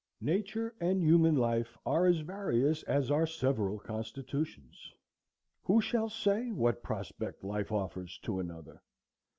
Nature and human life are as various as our several constitutions. Who shall say what prospect life offers to another?